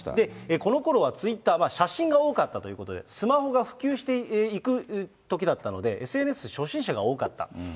このころはツイッター、写真が多かったということで、スマホが普及していくときだったので、ＳＮＳ初心者が多かった。